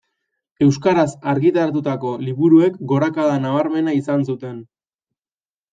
Euskaraz argitaratutako liburuek gorakada nabarmena izan zuten.